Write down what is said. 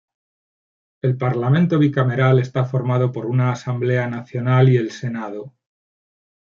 El Parlamento bicameral está formado por una asamblea nacional y el senado.